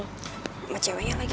sama ceweknya lagi